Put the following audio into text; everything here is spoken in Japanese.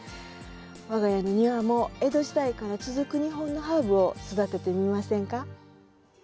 我が家の庭も江戸時代から続く日本のハーブを育ててみませんか？